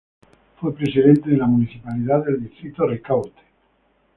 Fue Presidente de la Municipalidad del Distrito Ricaurte.